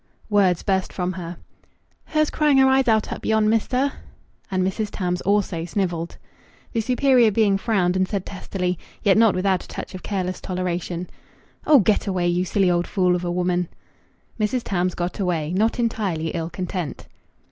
Words burst from her "Her's crying her eyes out up yon, mester." And Mrs. Tams also snivelled. The superior being frowned and said testily, yet not without a touch of careless toleration "Oh, get away, you silly old fool of a woman!" Mrs. Tarns got away, not entirely ill content.